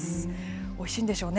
おいしいんでしょうね。